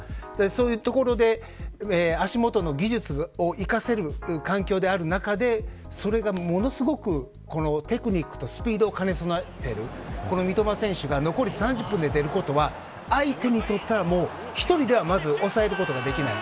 そういう所で足元の技術を生かせる環境である中でそれが、ものすごくテクニックとスピードを兼ね備えている三笘選手が残り３０分で出ることは相手にとっては１人ではまず抑えることができない。